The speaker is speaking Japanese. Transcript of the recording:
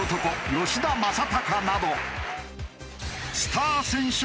吉田正尚など。